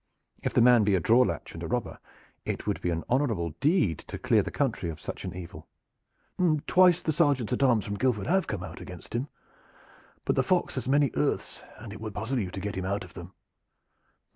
If the man be a draw latch and a robber it would be an honorable deed to clear the country of such an evil." "Twice the sergeants at arms from Guildford have come out against him, but the fox has many earths, and it would puzzle you to get him out of them."